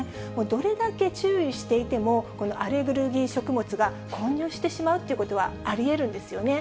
どれだけ注意していても、アレルギー食物が混入してしまうということはありえるんですよね。